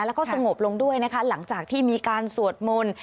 แล้วก็สงบลงด้วยนะคะหลังจากที่มีการสวดมนต์